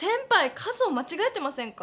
数をまちがえてませんか？